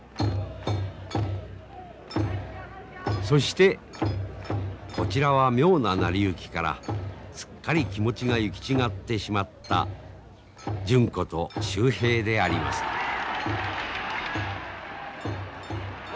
そしてこちらは妙な成り行きからすっかり気持ちが行き違ってしまった純子と秀平でありますが。